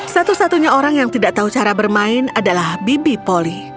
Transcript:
satu satunya orang yang tidak tahu cara bermain adalah bibi poli